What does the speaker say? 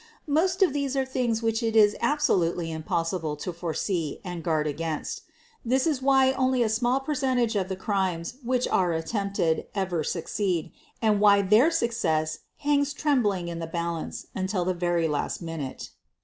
Most of these are things which it is absolutely impossible to foresee and guard against. This is why only a small per centage of the crimes which are attempted ever suc ceed and why their success hangs trembling in the balance until the very last minute.